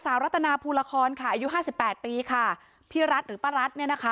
อายุห้าสิบแปดปีค่ะพี่รัฐหรือป้ารัฐเนี่ยนะคะ